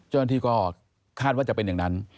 เจ้าหน้าที่ก็คาดว่าจะเป็นอย่างนั้น